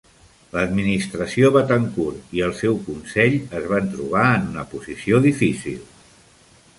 L'administració Betancur i el seu consell es van trobar en una posició difícil.